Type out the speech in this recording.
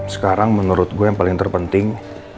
sekarang menurut gue yang paling terpenting